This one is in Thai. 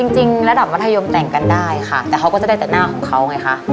จริงระดับมัธยมแต่งกันได้ค่ะแต่เขาก็จะได้แต่หน้าของเขาไงคะ